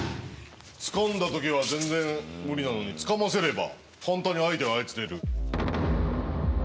つかんだ時は全然無理なのにつかませれば簡単に相手を操れる。